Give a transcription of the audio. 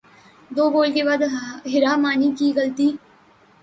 دو بول کے بعد حرا مانی کی غلطی